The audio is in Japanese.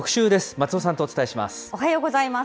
松尾さんとお伝えします。